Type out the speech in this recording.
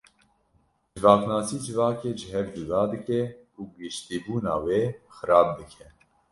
Civaknasî civakê ji hev cuda dike û giştîbûna wê xirab dike.